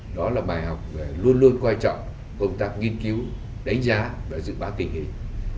đó là bài học về luôn luôn quan trọng công tác nghiên cứu đánh giá và dự báo tình hình